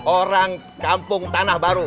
orang kampung tanah baru